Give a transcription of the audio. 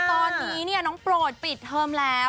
ตอนนี้น้องโปรดปิดเทอมแล้ว